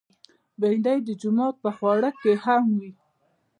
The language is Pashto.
بېنډۍ د جومات پر خواړه کې هم وي